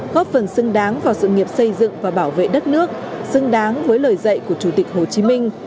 góp phần xứng đáng vào sự nghiệp xây dựng và bảo vệ đất nước xứng đáng với lời dạy của chủ tịch hồ chí minh